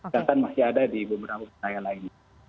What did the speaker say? catatan masih ada di beberapa wilayah lain